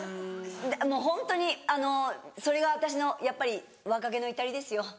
もうホントにそれが私のやっぱり若気の至りですよ。